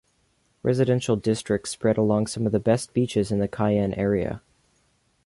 Residential districts spread along some of the best beaches in the Cayenne area.